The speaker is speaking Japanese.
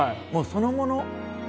もうそのもの。